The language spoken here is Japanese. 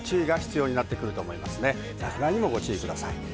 落雷にもご注意ください。